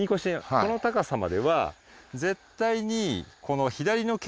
この高さまでは。